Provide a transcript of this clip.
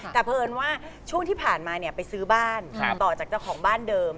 แต่เพลินว่าช่วงที่ผ่านมาไปซื้อบ้านต่อจากเจ้าของบ้านเดิม